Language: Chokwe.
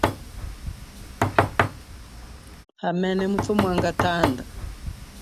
Hamene muthu mwanga thanda.